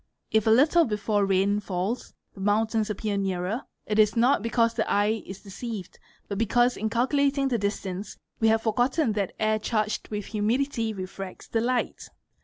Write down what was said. If a little before rain falls, the mountains appear nearer, it is t because the eye is deceived but because in calculating the distance we ye forgotten that air charged with humidity refracts the light.